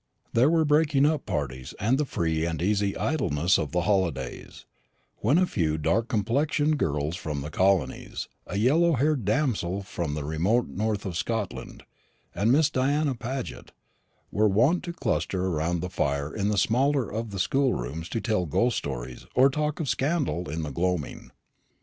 There were breaking up parties, and the free and easy idleness of the holidays, when a few dark complexioned girls from the colonies, a yellow haired damsel from the remote north of Scotland, and Miss Diana Paget, were wont to cluster round the fire in the smaller of the schoolrooms to tell ghost stories or talk scandal in the gloaming.